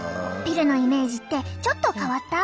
ピルのイメージってちょっと変わった？